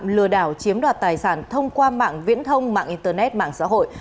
lừa đảo chiếm đoạt tài sản thông qua mạng viễn thông mạng internet mạng xã hội